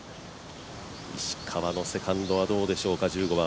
石川のセカンドはどうでしょうか、１５番。